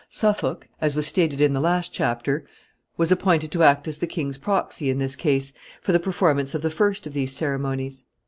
Suffolk, as was stated in the last chapter, was appointed to act as the king's proxy in this case, for the performance of the first of these ceremonies.